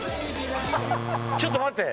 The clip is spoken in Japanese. ちょっと待って。